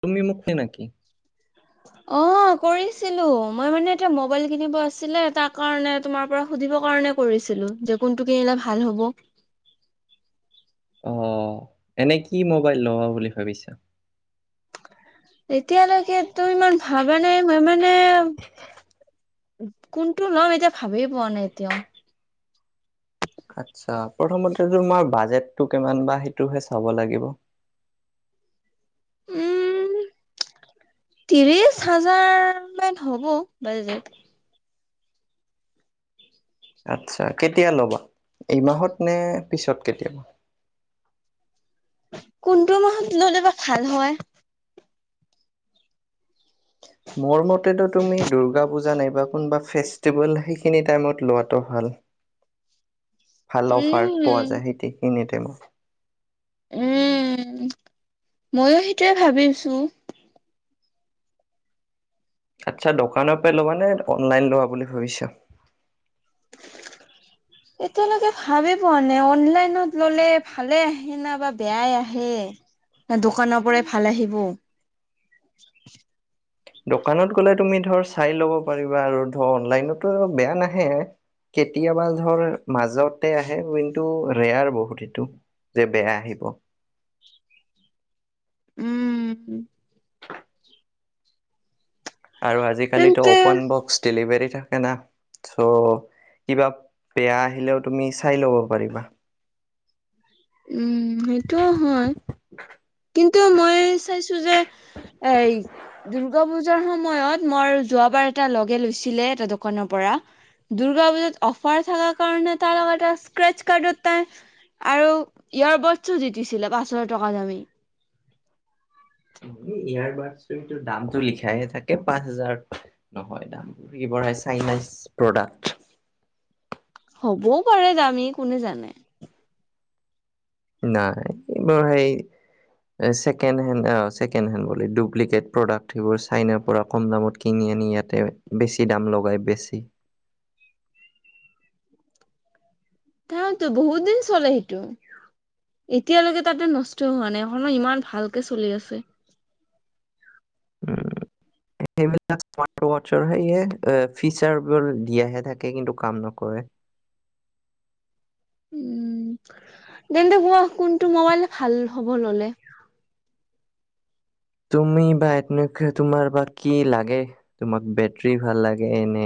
তুমি মুখ হয় নাকি অ কৰিছিলো মই মানে এতিয়া মবাইল কিনিব আছিলে তাৰ কাৰণে তোমাৰ পৰা সুধিব কাৰণে কৰিছিলো যে কোনটো কিনিলে ভাল হ'ব অ এনে কি মোবাইল লব বুলি ভাবিছা এতিয়ালৈকে তো ইমান ভাবা নাই মই মানে কোনটো লম এতিয়া ভাবিয়ে পোৱা নাই এতিয়াও আচ্ছা প্ৰথমতে তোমাৰ বাজেতটো কিমান বা সেইটোহে চাব লাগিব উম ত্ৰিশ হাজাৰ মান হ'ব বাজেট আচ্ছা কেতিয়া ল'বা এইমাহত নে পিছত কেতিয়াবা কোনটো মাহত ল'লে বা ভাল হয় মোৰ মতেতো তুমি দুৰ্গা পূজা নাইব কোনোবা ফেষ্টিভেল, সেইখিনি টাইমত লোৱাটো ভাল। ভাল অফাৰ পোৱা উম যায়, সেই, সেইখিনিত। [unintelligible] উম! ময়ো সেইটোৱে ভাবিছোঁ। আচ্ছা দোকানৰ পৰা ল'বা নে, অনলাইন ল'বা বুলি ভাবিছা? এতিয়ালৈকে ভাবি পোৱা নাই। অনলাইনত ল'লে ভালে আহে না, বা বেয়াই আহে। দোকানৰ পৰাই ভাল আহিব। দোকানত গলে তুমি ধৰ, চাই লব পাৰিবা আৰু ধৰ অনলাইনতো বেয়া নাহে। কেতিয়াবা ধৰ মাজতে আহে, কিন্তু ৰেয়াৰ বহুত এইটো যে বেয়া আহিব। উম আৰু আজি কালি ত' তেন্তে অ'পেন বক্স ডেলিভাৰী থাকে না, চ' কিবা বেয়া আহিলেও তুমি চাই ল'ব পাৰিবা। উম সেইটোও হয়। কিন্তু মই চাইছোঁ যে এই দূৰ্গা পূজা সময়ত, মই যোৱ বাৰ, এটা লগে লৈছিলে, এটা দোকানৰ পৰা। দূৰ্গা পুজাত অফাৰ থকাৰ কাৰণে তাৰ লগত এটা স্ক্ৰেছ কাৰ্ড, তাই, আৰু ইয়াৰবাডছো দি দিছিলে পচ হাজাৰ টকা দামি। এয়াৰবাদচটো সেইটো দামতটো লিখাহে থাকে। পাঁচ হাজাৰ নহয় দাম। কি বঢ়াই চাইনিজ প্ৰডাক্ট। হ'বও পাৰে, দামি কোনে জানে। নাই, এইবোৰ সেই ছেকেড হেণ্ড, ছেকেড হেণ্ড বোলে, ডুপ্লিকট প্ৰডাকট সেইবোৰ চাইনাৰ পৰা কম দামত কিনি আনি, ইয়াতে বেছি দাম লগাই বেছে। ততো বহুত দিন চলে সেইটো। এতিয়ালৈকে তাৰটো নষ্ট হোৱা নাই, এখনো, ইমান ভালকে চলি আছে। উ সেইবিলাক স্মাৰ্ট ৱাছৰ সেয়ে, ফিচাৰবোৰ দিয়াহে থাকে, কিন্তু কাম নকৰে। উম! তেন্তে কোৱা কোনটো মোবাইলে ভাল হ'ব ল'লে। তুমি বা এনে, তোমাৰ বা কি লাগে, তোমাক বেটৰী ভাল লাগে, নে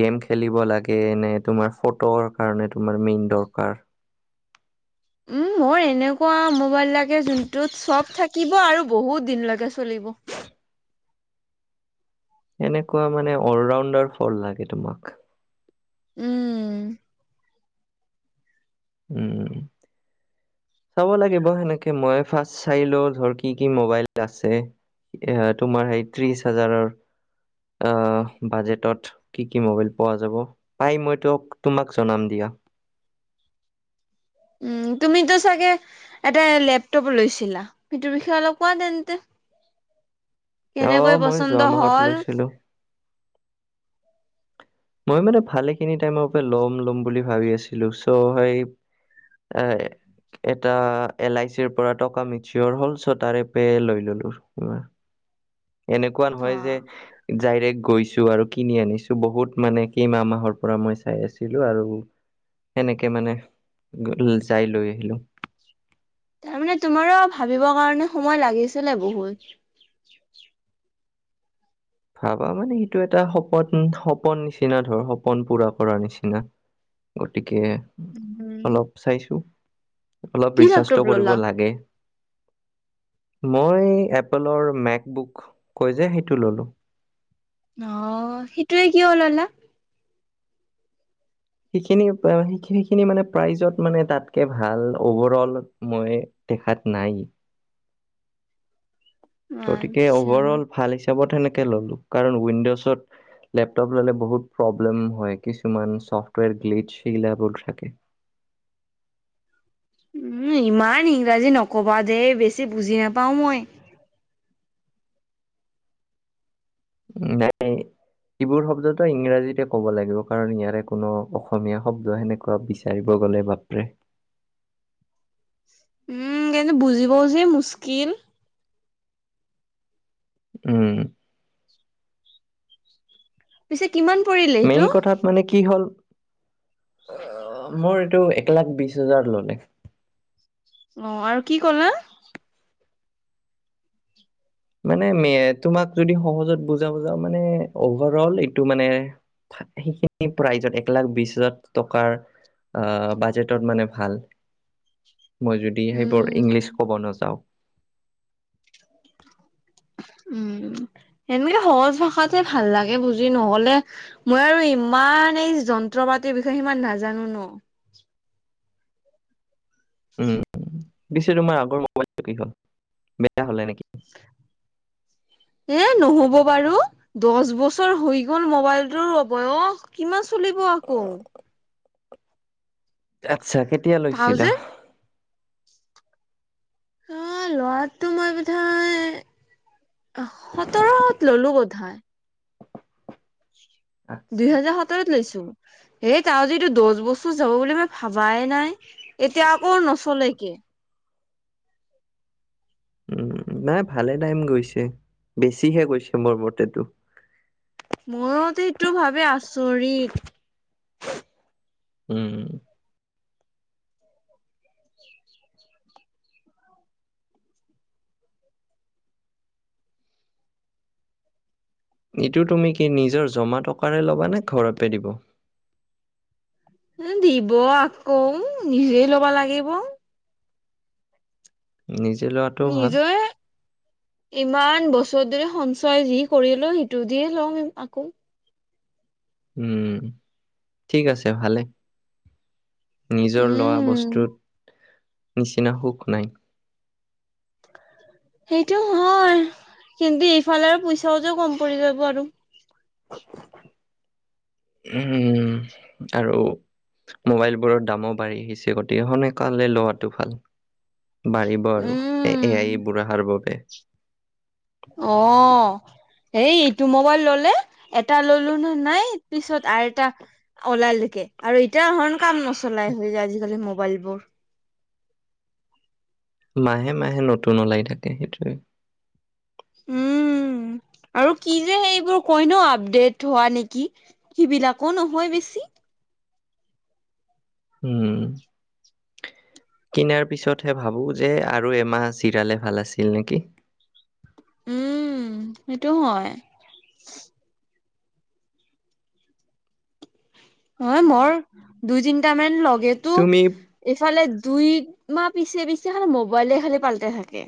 গেম খেলিব লাগে, নে তোমাৰ ফটোৰ কাৰণে তোমাৰ মেইন দৰকাৰ। উম মোৰ এনেকুৱা মোবাইল লাগে, যোনটোত চব থাকিব আৰু বহুত দিনলৈকে চলিব। এনেকুৱা মানে অলৰাউণ্ডাৰ ফোন লাগে তোমাক। উম। উম। চাব লাগিব সেনেকে মই। ফাৰ্ষ্ট চাই লওঁ ধৰ কি কি মবাইল আছে তোমাৰ স ত্ৰিশ হাজাৰৰ বাজটত। কি কি ম'বাইল পোৱা যাব। পাই মই তোমাক জনাম দিয়া। উম তুমিতো চাগে এটা লেপটপ লৈছিলা, সেইটোৰ বিষয়ে অলপ কোৱা তেন্তে। অ কেনেকৈ মই পচন্দ যোৱা মাহত হ'ল। লৈছিলো। মই মানে‌ ভালেখিনি টাইম ল'ম ল'ম বুলি ভাবি আছিলোঁ। চ' এটা এল আই চিৰ পৰা টকা মেচিঅ'ৰ হ'ল চ' তাকে লৈ ল'লোঁ। এনেকুৱা নহয় যে বাহ, ডাইৰেক্ট গৈছোঁ আৰু কিনি আনিছোঁ বহুত, মানে কেইমাহ মাহৰ পৰা মই চাই আছিলোঁ, আৰু সেনেকে মানে যাই লৈ আহিলোঁ। তাৰমানে তোমাৰোঁ ভাবিবৰ কাৰণে সময় লাগিছিলে বহুত। ভাবা মানে সেইটো এটা সপোন, সপোন নিচিনা ধৰ, সপোন পুৰা কৰাৰ নিচিনা। গতিকে উম, তাকে অলপ চাইছোঁ। অলপ কি লেপটপ ৰিচাৰ্চটো কৰিব ল'লা? লাগে। মই এপেলৰ মেক বুক কয় যে, সেইটো ল'লো। অ সেইটোৱে কিয় ল'লা? সেইখিনি, সেইখিনি মানে প্ৰাইজত মানে তাতকে ভাল, অভাৰ অল মই দেখাত নাই। গতিকে আচ্ছা। অভাৰ অল ভাল হৈছে। সেনেকে ল'লো কাৰণ উইডজত লেপটপ ল'লে বহুত প্ৰব্লেম হয় কিছুমান চফ্টৱেৰ গ্লিচ সিলত থাকে। উম ইমান ইংৰাজী নকবা দেেই বেছি বুজি নাপাও মই। নাই এইবোৰ শব্দটো ইংৰাজীতে কব লাগিব কাৰণ ইয়াৰে কোনো অসমীয়া শব্দ সেনেকুৱা বিচাৰিব গলে বাপৰে উম কিন্তু বুজিবও যে মুসকিল উম পিছে। কিমান পৰিলে সেইটো? মেইন কথাত মানে কি হ'ল আহ মোৰ এইটো এক লাখ বিশ হাজাৰ ললে অ আৰু কি কলা মানে তোমাক যদি সহজত বুজা বুজা মানে অভাৰ অল এইটো মানে সেইখিন লাখ বি হাজাৰ টকাৰ বাজটত মানে ভাল মই যদি সেইবোৰ উম ইংলিছ ক'ব নাযাওঁ উম সেনেকে সহজ ভাষাতেে ভাল লাগে বুজি নহলে মই আৰু ইমান এই যন্ত্ৰ পাতিৰ বিষয়ে সিমান নাজানো ন। উম পিছে তোমাৰ আগৰ মোবাইলটো কি হল বেয়া হলে নেকি এ নহ'ব বাৰু দহ বছৰ হৈ গল মোবাইলটোৰ অবয়স কিমান চলিব আকৌ। অ আচ্ছা কেতিয়া লৈছিলা থাউজেণ্ড আহ লৰাটো মই বোধাই সোতৰশত ললো বোধাই আচ্ছা দুহেজাৰ সোতৰত লৈছো হ তাৰ যটো দহ বছৰ যাব বুলি মই ভাবাই নাই এতিয়া আকৌ নচলেকে উম, নাই ভালে টাইম গৈছে বেছিহে গৈছে মোৰ মতেতটো মইতো এইটো ভাবে আচৰিত উম ইটো তুমি কি নিজৰ জমা টকাৰে ল'বানে ঘৰতে দিব দিব আকৌ নিজেই ল'ব লাগিব নিশ্চ জ লোৱাটোও নিজে ভাল ইমান বছৰ ধৰি সঞ্চয় যি কৰিলো সিটো দিয়ে লম আকৌ উম ঠিক আছে ভালে। নিজৰ লোৱা উম বস্তুত নিচিনা সুখ নাই সেইটো হয় কিন্তু এইফালে আৰু পইচাওঁতো কম পৰি যাব আৰু উম আৰু মোবাইলবোৰৰ দামো বাঢ়ি আহিছে গতিকে সোনকালে লোৱাটো ভাল বাঢ়িব আৰু এ উম, এয়াই বুঢ়াৰ বাবে অঁ সেই মোবাইল ললে এটা ললো নে নাই পিছত আৰু এটা ওলালেকে আৰু এতিয়া ধৰণ কাম নচলাই হৈ যায় আজিকালি ম মোবাইল বোৰ মাহে মাহে নতুন ওলাই থাকে সেইটোৱে উম আৰু কি যে সেইবোৰ কয় ন আপডেট হোৱা নেকি স বিলাকো নহয় বেছি উম কিনাৰ পিছতহে ভাবো যে আৰু এমাহ চিৰালে ভাল আছিল নেকি উম সেইটো হয় অঁ মই দুই তিনটা মান লগ সেতু তুমি এইফালে দুই মা পিছে পিছে খাল মোবাইলে খালি পালটে থাকে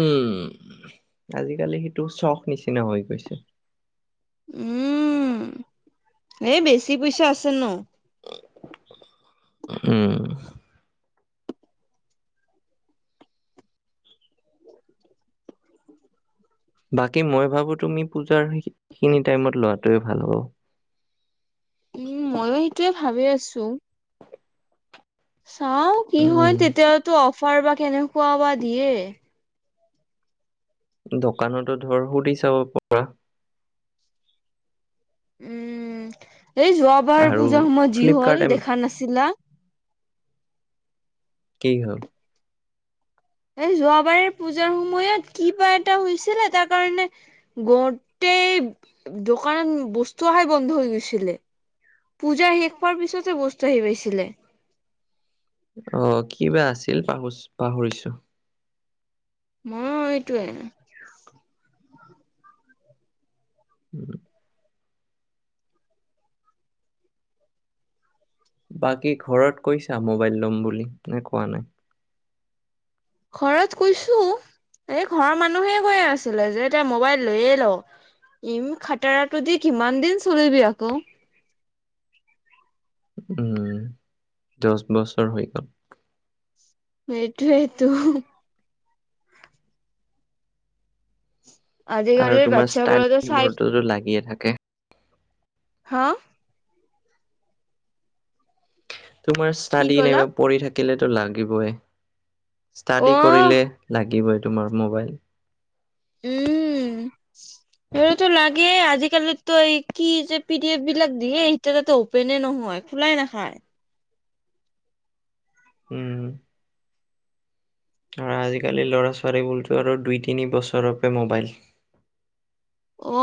উম আজিকালি সেইটো চখ নিচিনা হৈ গৈছে উম এই বেছি পইচা আছে ন উম বাকী মই ভাবোঁ তুমি পূজাৰ সখিনি টাইমত লোৱাটোৱে ভাল হ'ব উম ময়ো সেইটোয়ে ভাবি আছো দিছো চাও কি হয় উম। তেতিয়ো অফ ফাৰবা কেনেকুৱাবা দিয়ে দোকানতো ধৰ সুধি চাব পৰা উম এই যোৱাবাৰ আৰু পূজা সময়ত যি হল ফ্লিপকাৰ্ট এম দেখা নাছিলা কি হ'ল এই যোৱাবাৰে পূজাৰ সময়ত কিবা এটা হৈছিলে তাৰ কাৰণে গতেই দোকানত বস্তু অহাই বন্ধ হৈ গৈছিলে পূজা শেষ পোৱাৰ পিছতে বস্তু আহি পাইছিলে অঁ কিবা আছিল পাহো পাহৰিছো মই এইটোৱে উম বাকী ঘৰত কৈছা মোবাইল ল'ম বুলি নে কোৱা নাই ঘৰত কৈছো এই ঘৰৰ মানুহে কৈ আছিলে যে এতিয়া মবাইল লৈয়ে লও ইম খাটৰাটো দি কিমান দিন চলিবি আকৌ উম দহ বছৰ হৈ গ'ল সেইটোৱেইটো তো আৰু আজিকালিৰ তোমাৰ ষ্টাড বাচ্ছাবোৰতো চাই দিবতো লাগিয়ে থাকে অকে হা তোমাৰ কি ষ্টাডি কলা নাইবা পঢ়ি থাকে থাকিলেতো লাগিবই অ ষ্টাডি কৰিলে লাগিবই তোমাৰ মোবাইল। উম এইটোতো লাগে আজি। আজি কালি তো কি যে পি ডি এফ বিলাক দিয়ে এতিয়া তা অপেনে নহয় খোলাই নাখায়। উম আজিকালি ল'ৰা ছোৱালীবোলতো আৰু দুই তিনি বছৰৰ বাবে ম'বাইল। অ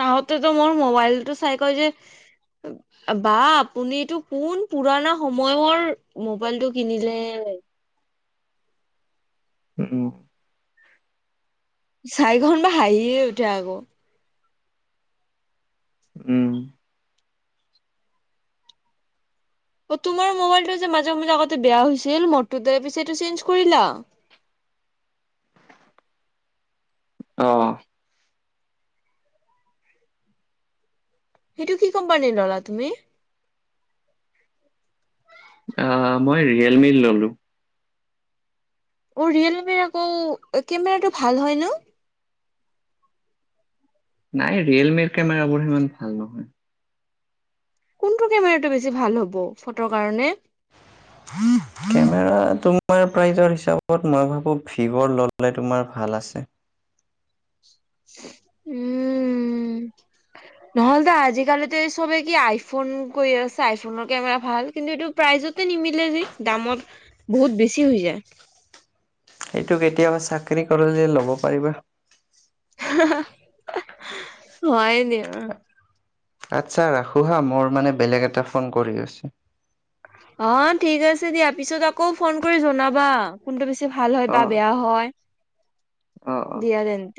তাহতেতো মোৰ মোবাইলটো চাই কয় যে বা আপুনটো কোন পুৰণা সময়ৰ মোবাইলটো কিনিলে। উম, চাৰিখন বা হাঁহিয়ে উঠে আকৌ। উম, তোমাৰ মোবাইলটো যে মাজে মাজে আগতে বেয়া হৈছিল মোৰতে পিছে এইটো চেঞ্জ কৰিলা। অ', এইটো কি কোম্পানীৰ ল'লা তুমি। অ', মই ৰিয়েলমি ললো। অ ৰিয়েলমি আকৌ কেমেৰাটো ভাল হয় নে নাই ৰিয়েলমিৰ কেমেৰাবোৰ সিমান ভাল নহয়। কোনটো কেমেৰাটো বেছি ভাল হ'ব ফটো কাৰণে। কেমেৰা তোমাৰ প্ৰাইজৰ হিচাপত মই ভাবোঁ ভিভৰ ল'লে তোমাৰ ভাল আছে। উম নহ'লে দো আজিকালিতো এই চবে কি আইফোন কৰি আছে আইফনৰ কেমেৰা ভাল কিন্তু এইটো প্ৰাইজতে নিমিলে যে দামত বহুত বেছি হৈ যায়। এইটো কেতিয়াবা চাকৰি কৰিলে ল'ব পাৰিবা। হয় এিয়। আচছা ৰাখো হা মোৰ ম ফোন কৰি। অ ঠিক আছে দিয়া পিছত আকৌ ফোন কৰি জনাবা কোনটো প। ভাল হয় বা অ', বেয়া হয়। অ', অ'। দিয়াদ এন্ত।